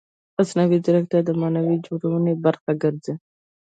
مصنوعي ځیرکتیا د معنا جوړونې برخه ګرځي.